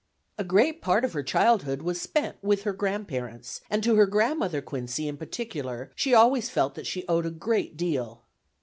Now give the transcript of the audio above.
A great part of her childhood was spent with her grandparents, and to her grandmother Quincy, in particular, she always felt that she owed a great deal.